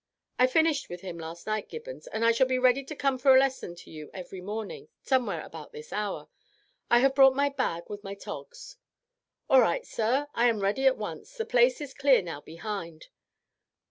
"I finished with him last night, Gibbons, and I shall be ready to come for a lesson to you every morning, somewhere about this hour. I have brought my bag with my togs." "All right, sir, I am ready at once; the place is clear now behind.